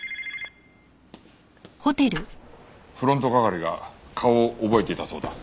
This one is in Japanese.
フロント係が顔を覚えていたそうだ。